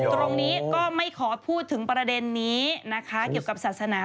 ตรงนี้ก็ไม่ขอพูดถึงประเด็นนี้นะคะเกี่ยวกับศาสนา